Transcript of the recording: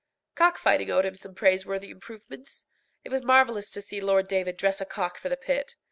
Cockfighting owed him some praiseworthy improvements. It was marvellous to see Lord David dress a cock for the pit.